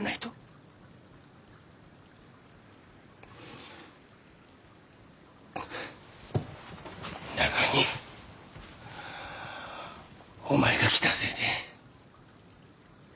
はあなのにお前が来たせいで。